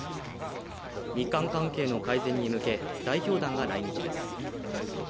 日韓関係の改善に向け代表団が来日です。